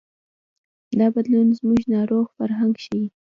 دا بدلون زموږ ناروغ فرهنګ ښيي.